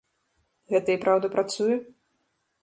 Гэта і праўда працуе?